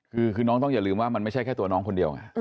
คือน้องต้องอย่าลืมว่ามันไม่ใช่แค่ตัวน้องคนเดียวไง